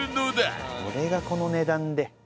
これがこの値段で。